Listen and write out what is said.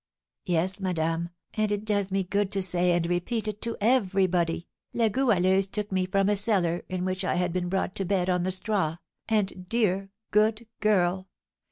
Yes, madame, and it does me good to say and repeat it to everybody, La Goualeuse took me from a cellar in which I had been brought to bed on the straw, and dear, good girl!